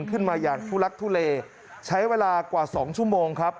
ขึ้นมาอย่างทุลักทุเลใช้เวลากว่า๒ชั่วโมงครับ